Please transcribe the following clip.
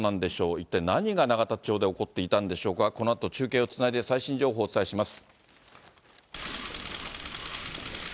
一体、何が永田町で起こっていたんでしょうか、このあと中継をつないで最新情報をお伝えします。